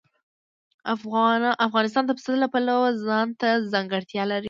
افغانستان د پسه د پلوه ځانته ځانګړتیا لري.